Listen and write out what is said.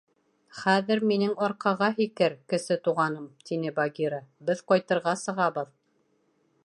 — Хәҙер минең арҡаға һикер, Кесе Туғаным, — тине Багира, — беҙ ҡайтырға сығабыҙ.